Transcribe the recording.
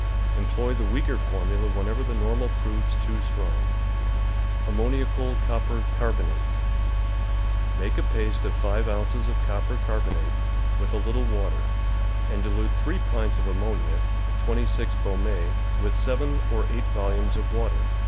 Employ the weaker formula whenever the normal proves too strong. Ammoniacal Copper Carbonate. — Make a paste of 5 ounces of copper carbonate with a little water, and dilute 3 pints of ammonia (26 Beaume) with 7 or 8 volumes of water.